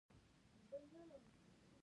ناره یې وکړه ما به په کور فالونه کول.